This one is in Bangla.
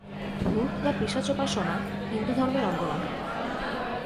ভূত বা পিশাচোপাসনা হিন্দুধর্মের অঙ্গ নহে।